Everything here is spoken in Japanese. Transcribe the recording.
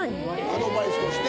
アドバイスとして。